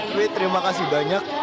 dwi terima kasih banyak